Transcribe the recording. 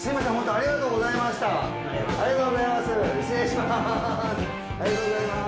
ありがとうございます！